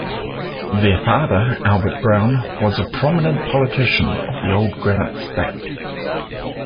Their father, Albert Brown, was a prominent politician of the Old Granite State.